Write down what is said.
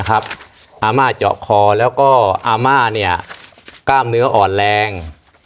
อาม่าเจาะคอแล้วก็อาม่ากล้ามเนื้ออ่อนแรง